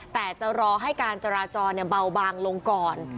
แต่จะรอให้การจราจรเบาบางลงก่อน